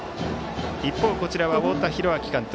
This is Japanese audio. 一方、太田弘昭監督。